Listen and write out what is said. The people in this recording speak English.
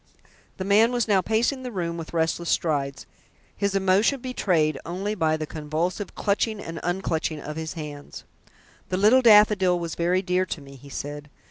The man was now pacing the room with restless strides, his emotion betrayed only by the convulsive clutching and unclutching of his hands. "The Little Daffodil was very dear to me," he said.